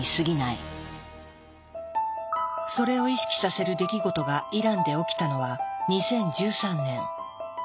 それを意識させる出来事がイランで起きたのは２０１３年。